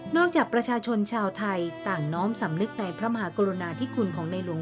จากประชาชนชาวไทยต่างน้อมสำนึกในพระมหากรุณาธิคุณของในหลวง